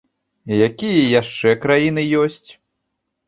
Якія яшчэ краіны ёсць?